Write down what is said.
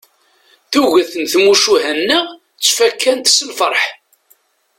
Tuget n tmucuha-nneɣ ttfakkant s lferḥ.